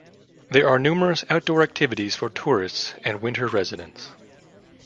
There are numerous outdoor activities for tourists and winter residents.